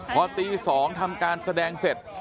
พอตี๒ทำการแสดงเสร็จ